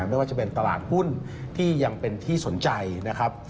ไม่ว่าจะเป็นตลาดหุ้นที่ยังเป็นที่สนใจนะครับ